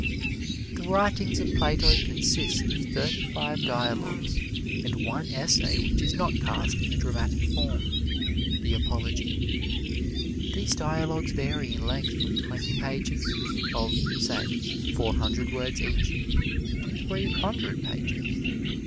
The writings of Plato consist of thirty five dialogues, and one essay which is not cast in the dramatic form "The Apology." These dialogues vary in length from twenty pages, of, say, four hundred words each, to three hundred pages.